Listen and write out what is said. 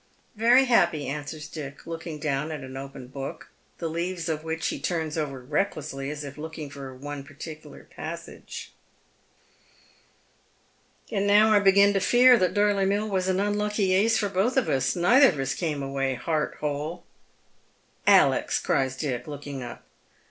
" Very happy," answers Dick, looking down at an open book, the leaves of which he tui ns over recklessly, as if looking for me particular passage. " And now I begin to fear that Dorley Mill was an unlucky ace for both of us. Neither of us came away heart whole." " Ales," cries Dick, looking up.